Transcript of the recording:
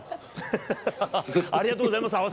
ありがとうございます。